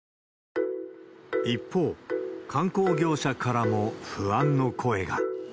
一方、観光業者からも不安の声が。